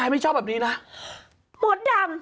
มดดำ